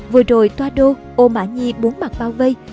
vừa rồi toa đô ô mã nhi bốn mặt bao vây